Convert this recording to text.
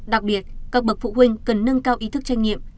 đặc biệt các bậc phụ huynh cần nâng cao ý thức tranh nghiệm